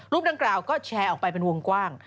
ดังกล่าวก็แชร์ออกไปเป็นวงกว้าง